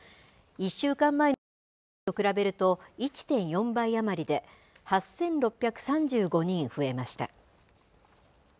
１週間前の水曜日と比べると１．４倍余りで、８６３５人増えました。